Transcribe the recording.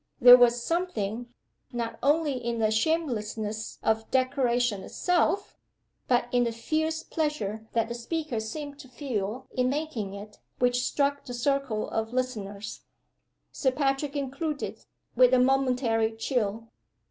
There was something, not only in the shamelessness of the declaration itself, but in the fierce pleasure that the speaker seemed to feel in making it, which struck the circle of listeners, Sir Patrick included, with a momentary chill.